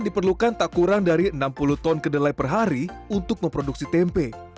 diperlukan tak kurang dari enam puluh ton kedelai per hari untuk memproduksi tempe